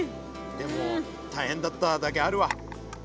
でも大変だっただけあるわ。